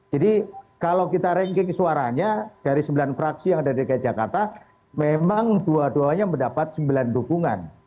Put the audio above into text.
jadi kalau kita ranking suaranya dari sembilan fraksi yang ada di dki jakarta memang dua duanya mendapat sembilan dukungan